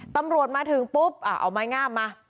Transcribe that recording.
ตำรวจมาถึงปุ๊บเอาไม้งามมา